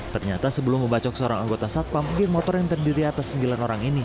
ternyata sebelum membacok seorang anggota satpam geng motor yang terdiri atas sembilan orang ini